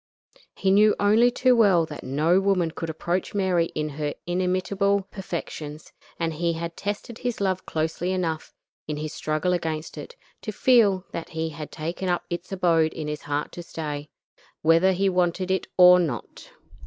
He knew only too well that no woman could approach Mary in her inimitable perfections, and he had tested his love closely enough, in his struggle against it, to feel that it had taken up its abode in his heart to stay, whether he wanted it or not.